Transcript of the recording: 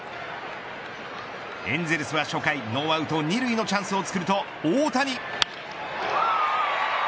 エンゼルスは初回ノーアウト２塁のチャンスをつくると大谷。